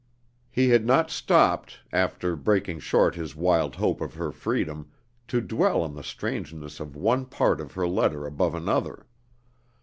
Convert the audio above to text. He had not stopped, after breaking short his wild hope of her freedom, to dwell on the strangeness of one part of her letter above another.